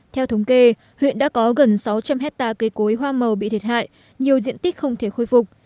theo thống kê huyện đã có gần sáu trăm linh hectare cây cối hoa màu bị thiệt hại nhiều diện tích không thể khôi phục